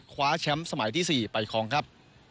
คว้าแชมป์สมัยที่๔ไปครองครับ